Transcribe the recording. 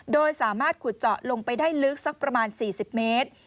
โดยสามารถขุดเจาะลงไปได้ลึกสักประมาณ๔๐เมตร